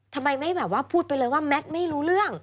ทำไมไม่แบบว่าพูดไปเลยว่าแมทไม่รู้เรื่อง